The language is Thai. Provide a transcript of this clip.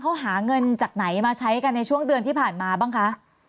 เขาหาเงินจากไหนมาใช้กันในช่วงเดือนที่ผ่านมาบ้างคะ